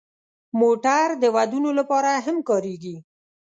موټر د ودونو لپاره هم کارېږي.